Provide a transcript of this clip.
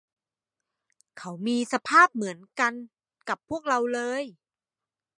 พวกเขามีสภาพเหมือนกันกับพวกเราเลย